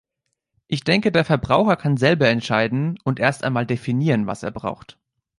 Ich denke, der Verbraucher kann selber entscheiden und erst einmal definieren, was er braucht.